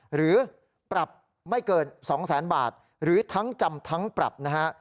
หรือปรับไม่เกิน๒แสนบาทหรือทั้งจำทั้งปรับนะฮะ